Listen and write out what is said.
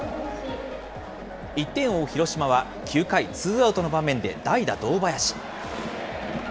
１点を追う広島は９回、ツーアウトの場面で代打、堂林。